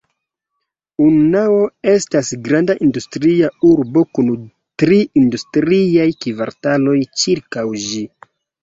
Unnao estas granda industria urbo kun tri industriaj kvartaloj ĉirkaŭ ĝi.